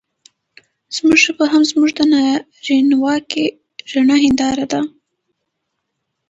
زموږ ژبه هم زموږ د نارينواکۍ رڼه هېنداره ده.